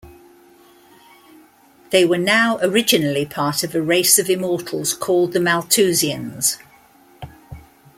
They were now originally part of a race of immortals called the Maltusians.